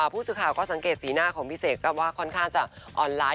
ผู้สื่อข่าวก็สังเกตสีหน้าของพี่เสกก็ว่าค่อนข้างจะออนไลน์